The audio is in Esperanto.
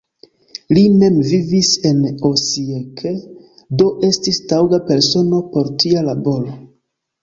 Li mem vivis en Osijek, do estis taŭga persono por tia laboro.